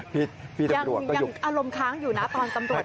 พี่ตำรวจก็อยู่ยังอารมณ์ค้างอยู่นะตอนตำรวจไปคุย